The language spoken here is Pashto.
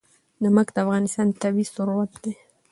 نمک د افغانستان طبعي ثروت دی.